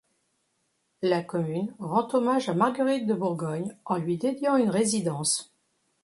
La commune rend hommage à Marguerite de Bourgogne en lui dédiant une résidence.